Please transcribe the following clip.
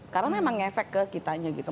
karena memang ngefek ke kitanya gitu